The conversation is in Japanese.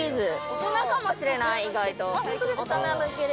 大人かもしれない、意外と。